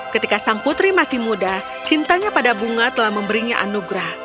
ketika sang putri masih muda cintanya pada bunga telah memberinya anugerah